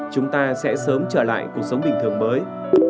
chúng ta sẽ sớm trở lại cuộc sống bình thường mới